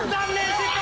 失敗。